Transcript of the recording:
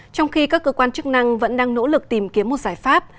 trong khi các cơ quan chức năng vẫn đang nỗ lực tìm kiếm một giải pháp